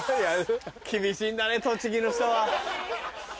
厳しいんだね栃木の人は。